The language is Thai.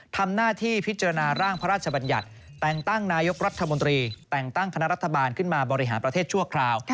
ทำหน้าที่พิจารณาร่างพระราชบัญญัติแต่งตั้งนายกรัฐมนตรีแต่งตั้งคณะรัฐบาลขึ้นมาบริหารประเทศชั่วคราว